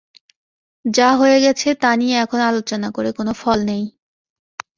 যা হয়ে গেছে তা নিয়ে এখন আলোচনা করে কোনো ফল নেই।